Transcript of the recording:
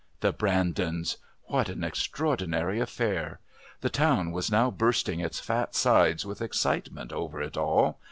The Brandons! What an extraordinary affair! The Town was now bursting its fat sides with excitement over it all!